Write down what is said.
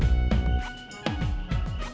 tidak tidak tidak